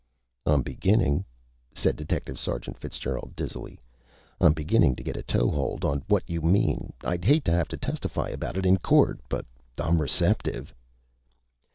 "I'm beginnin'," said Detective Sergeant Fitzgerald dizzily, "I'm beginnin' to get a toehold on what you mean. I'd hate to have to testify about it in court, but I'm receptive."